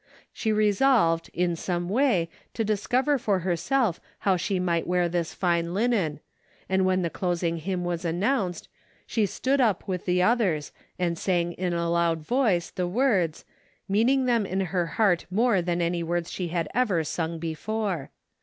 She resolved, in some way, to discover for herself how she might wear this fine linen, and when the clos ing hymn was announced, she stood up with 286 DAILY BATE.'^ the others, and sang in a loud voice the words, meaning them in her heart more than any words she had ever sung before.